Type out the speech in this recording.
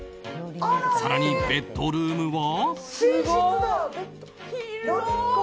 更にベッドルームは。